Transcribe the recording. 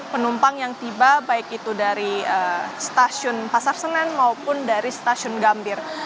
penumpang yang tiba baik itu dari stasiun pasar senen maupun dari stasiun gambir